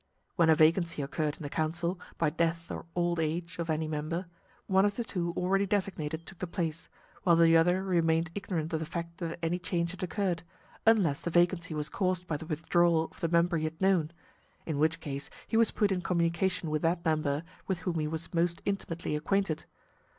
When a vacancy occurred in the council, by death or old age of any member, one of the two already designated took the place, while the other remained ignorant of the fact that any change had occurred, unless the vacancy was caused by the withdrawal of the member he had known, in which case he was put in communication with that member with whom he was most intimately acquainted.